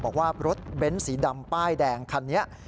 บอกว่ารถเบ้นสีดำป้ายแดงคันนี้